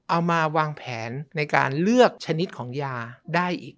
เอามาวางแผนในการเลือกชนิดของยาได้อีก